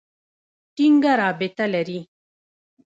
ټینګه رابطه لري.